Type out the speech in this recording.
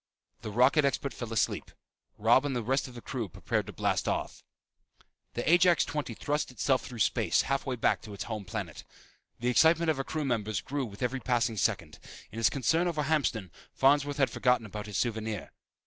The rocket expert fell asleep. Robb and the rest of the crew prepared to blast off. The Ajax XX thrust itself through space, halfway back to its home planet. The excitement of her crew members grew with every passing second. In his concern over Hamston, Farnsworth had forgotten about his souvenir.